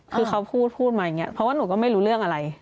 คือเขาพูดพูดมาอย่างนี้เพราะว่าหนูก็ไม่รู้เรื่องอะไร